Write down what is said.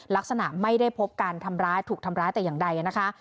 ลักษณะไม่ได้พบการทำร้ายถูกทำร้ายแต่อย่างใดนะคะ